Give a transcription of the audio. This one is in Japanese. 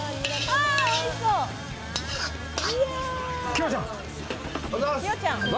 キヨちゃん！